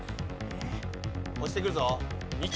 押してくるぞ。